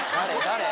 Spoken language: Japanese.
誰？